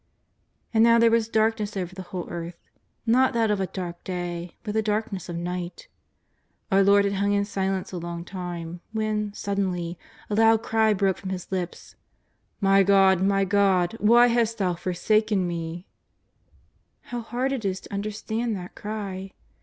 And now there was darkness over the whole earth, not that of a dark day, but the darkness of night. Our Lord had hung in silence a long time, when, suddenly, a loud cry broke from His lips: " My God, My God, ivhy hast Thou forsaken Me f '' How hard it is to understand that cry!